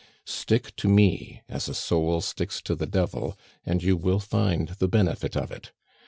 Stick to me as a soul sticks to the Devil, and you will find the benefit of it.